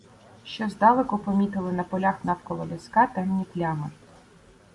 Ще здалеку помітили на полях навколо ліска темні плями.